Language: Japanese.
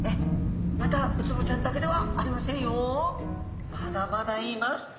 またウツボちゃんだけではありませんよ。まだまだいます。